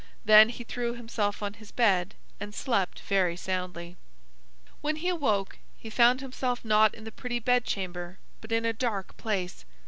Then he threw himself on his bed and slept very soundly. When he awoke, he found himself not in the pretty bed chamber, but in a dark place.